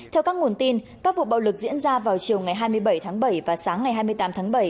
theo các nguồn tin các vụ bạo lực diễn ra vào chiều ngày hai mươi bảy tháng bảy và sáng ngày hai mươi tám tháng bảy